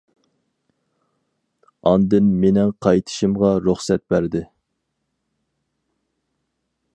ئاندىن مېنىڭ قايتىشىمغا رۇخسەت بەردى.